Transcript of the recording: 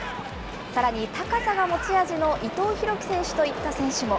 さらに高さが持ち味の伊藤洋輝選手といった選手も。